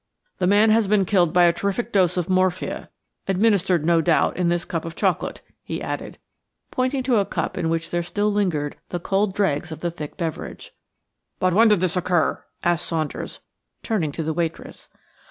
"The man has been killed by a terrific dose of morphia–administered, no doubt, in this cup of chocolate," he added, pointing to a cup in which there still lingered the cold dregs of the thick beverage. "But when did this occur?" asked Saunders, turning to the waitress.